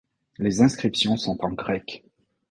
Les inscriptions sont en grec.